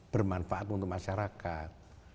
bermanfaat untuk masyarakat